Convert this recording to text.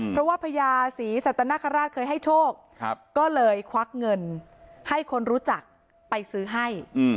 เพราะว่าพญาศรีสัตนคราชเคยให้โชคก็เลยควักเงินให้คนรู้จักไปซื้อให้